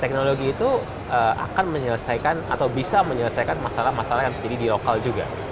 teknologi itu akan menyelesaikan atau bisa menyelesaikan masalah masalah yang terjadi di lokal juga